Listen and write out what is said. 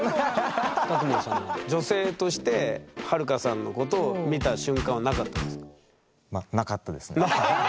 卓馬さんは女性としてはるかさんのことを見た瞬間はなかったんですか？